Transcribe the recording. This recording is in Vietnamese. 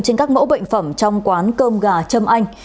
trên các mẫu bệnh phẩm trong quán cơm gà châm anh